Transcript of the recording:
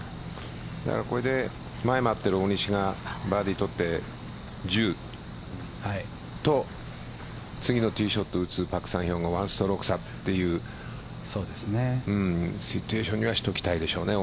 これで前を回っている大西がバーディーとって１０と次のティーショット打つパク・サンヒョンが１ストローク差というシチュエーションにはしておきたいでしょうね